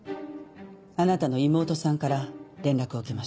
あなたの妹さんから連絡を受けました。